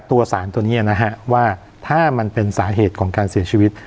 ตัวสารตัวนี้นะฮะว่าถ้ามันเป็นสาเหตุของการเสียชีวิต